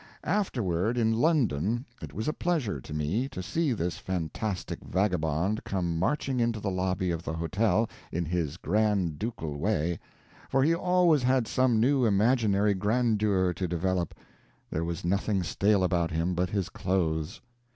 Afterward, in London, it was a pleasure to me to see this fantastic vagabond come marching into the lobby of the hotel in his grand ducal way, for he always had some new imaginary grandeur to develop there was nothing stale about him but his clothes.